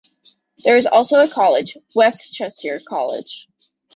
There is also a college, West Cheshire College.